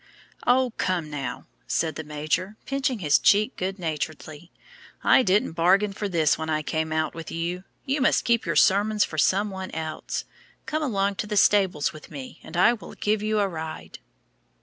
"Oh, come now," said the major, pinching her cheek good naturedly; "I didn't bargain for this when I came out with you. You must keep your sermons for some one else. Come along to the stables with me, and I will give you a ride."